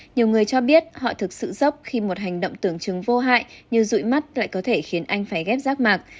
nhiều người cho biết họ thực sự dốc khi một hành động tưởng chừng vô hại như rụi mắt lại có thể khiến anh phải ghép rác mạc